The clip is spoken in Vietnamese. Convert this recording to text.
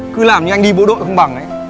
cứ làm như anh đi bộ đội không bằng đấy